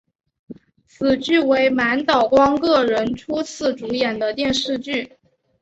此剧为满岛光个人初次主演的电视剧。